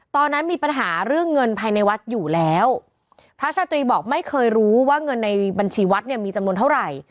ตอนนั้นมีปัญหาเรื่องเงินภายในวัดอยู่แล้วพระชาตรีบอกไม่เคยรู้ว่าเงินในบัญชีวัดเนี่ยมีจำนวนเท่าไหร่